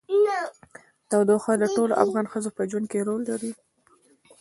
تودوخه د ټولو افغان ښځو په ژوند کې رول لري.